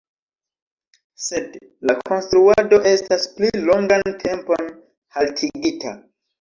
Sed la konstruado estas pli longan tempon haltigita.